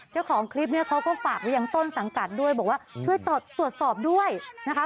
เจ้าของคลิปเนี่ยเขาก็ฝากไว้ยังต้นสังกัดด้วยบอกว่าช่วยตรวจสอบด้วยนะคะ